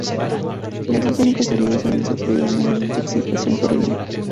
Los dos únicos heridos habían sufrido una leve intoxicación por el humo.